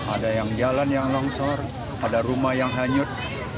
ada yang jalan yang longsor ada rumah yang hanyut